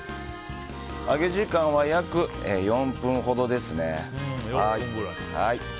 揚げ時間は約４分ほどですね。